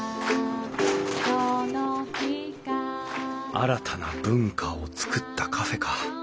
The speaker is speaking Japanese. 新たな文化をつくったカフェか。